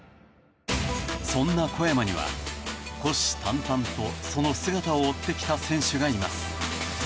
そんな小山には虎視眈々とその姿を追ってきた選手がいます。